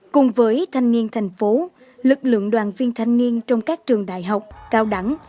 cùng với thanh niên thành phố lực lượng đoàn viên thanh niên trong các trường đại học cao đẳng